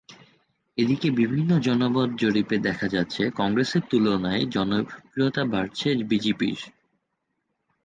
এদিকে বিভিন্ন জনমত জরিপে দেখা যাচ্ছে, কংগ্রেসের তুলনায় জনপ্রিয়তা বাড়ছে বিজেপির।